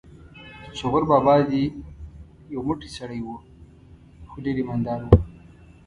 چې غور بابا دې یو موټی سړی و، خو ډېر ایمان دار و.